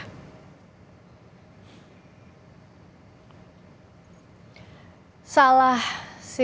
dan dua ratus tiga puluh tiga pesawat yang menemukan pesawat tersebut